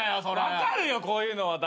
分かるよこういうのは。